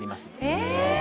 え！